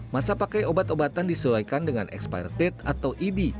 masa pakai obat obatan disesuaikan dengan expired date atau ed